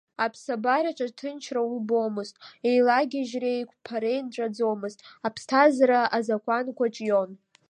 Аԥсабараҿ аҭынчра убомызт, еилагьежьреи қәԥареи нҵәаӡомызт, аԥсҭазаара азакәанқәа ҿион…